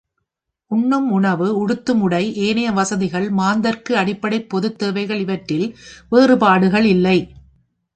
உண்ணும் உணவு, உடுத்தும் உடை ஏனைய வசதிகள் மாந்தர்க்கு அடிப்படைப் பொதுக் தேவைகள் இவற்றில் வேறுபாடுகள் இல்லை.